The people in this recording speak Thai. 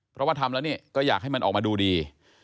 เพราะว่าทำแล้วนี่ก็อยากให้มันออกมาดูดี